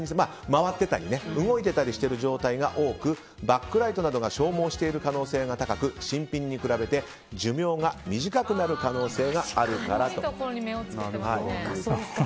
回っていたり動いている状態が多くバックライトなどが消耗している可能性が高く新品に比べて寿命が短くなる可能性があると。